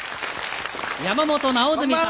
山本直純さん。